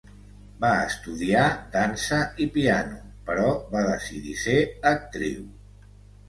Va estudiar dansa i piano, però va decidir ser actriu.